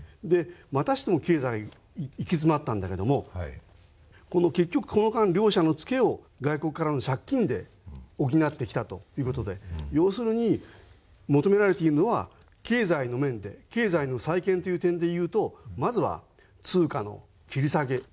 でまたしても経済行き詰まったんだけれども結局この間両者の付けを外国からの借金で補ってきたという事で要するに求められているのは経済の面で経済の再建という点でいうとまずは通貨の切り下げ